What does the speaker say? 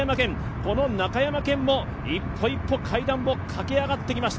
この中山顕も一歩一歩階段を駆け上がってきました。